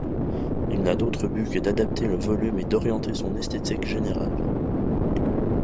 Il n'a d'autre but que d'adapter le volume et d'orienter son esthétique générale.